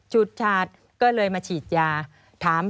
ชูชาติก็เลยมาฉีดยา